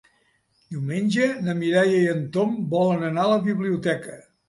Diumenge na Mireia i en Tom volen anar a la biblioteca.